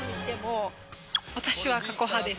私は過去派です。